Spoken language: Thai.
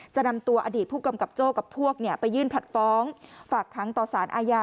จะนำตัวอดีตผู้กำกับโจ้กับพวกไปยื่นผลัดฟ้องฝากค้างต่อสารอาญา